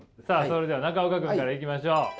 さあそれでは中岡君からいきましょう。